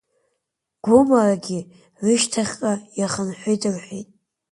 Гәымаагьы рышьҭахьҟа ихынҳәит рҳәеит!